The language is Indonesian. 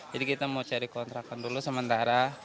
jadi kita mau cari kontrakan dulu sementara